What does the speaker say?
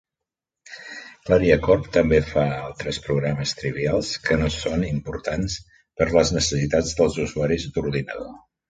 Claria Corp. també fa altres programes trivials que no són importants per les necessitats dels usuaris d'ordinador.